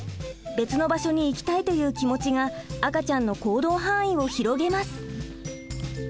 別の場所に行きたいという気持ちが赤ちゃんの行動範囲を広げます。